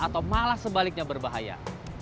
atau malah sebaliknya berbahaya